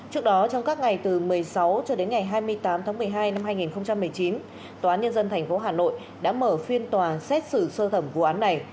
trước đó trong các ngày từ một mươi sáu cho đến ngày hai mươi tám tháng một mươi hai năm hai nghìn một mươi chín tòa án nhân dân tp hà nội đã mở phiên tòa xét xử sơ thẩm vụ án này